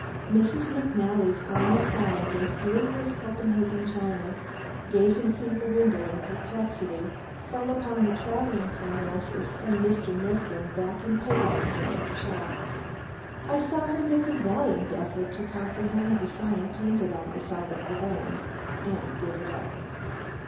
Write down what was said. Mrs. McNally's honest eyes, as blue as Copenhagen china, gazing through the window in perplexity, fell upon the travelling Parnassus and Mr. Mifflin backing Pegasus into the shafts. I saw her make a valiant effort to comprehend the sign painted on the side of the van and give it up.